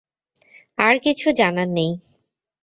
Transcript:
আর কিছু জানার নেই।